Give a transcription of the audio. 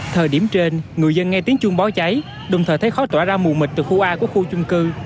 thời điểm trên người dân nghe tiếng chuông bó cháy đồng thời thấy khó tỏa ra mù mịch từ khu a của khu chung cư